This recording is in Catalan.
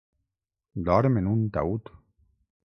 Dorm en un taüt.